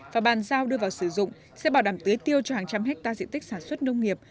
và bàn giao đưa vào sử dụng sẽ bảo đảm tưới tiêu cho hàng trăm hectare diện tích sản xuất nông nghiệp